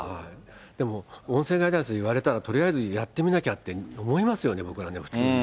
でも、音声ガイダンスに言われたら、とりあえずやってみなきゃって思いますよね、僕ら、普通。